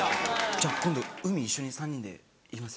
じゃあ今度海一緒に３人で行きます？